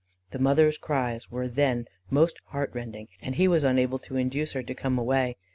The mother's cries were then most heart rending, and he was unable to induce her to come away.